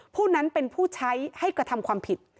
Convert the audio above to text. ผู้นั้นเป็นผู้ใช้ให้กระทำความผิด